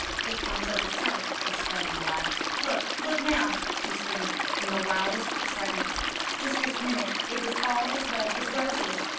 "It comes of itself," explained the lad. "Look, look now!" she screamed, in the wildest excitement, ''just this minute it is all as red as roses.